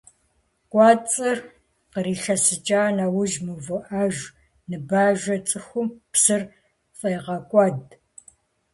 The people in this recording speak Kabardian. КӀуэцӀыр кърилъэсыкӀа нэужь мыувыӀэж ныбажэм цӀыхум псыр фӀегъэкӀуэд.